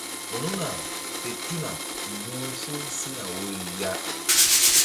Ru̧hna fe tuna mbu̧h ful sina woyri ya.